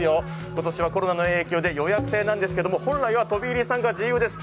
今年はコロナの影響で予約制なんですけれども本来は飛び入り参加は自由です。